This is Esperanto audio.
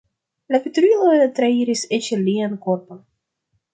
La veturilo trairis eĉ lian korpon.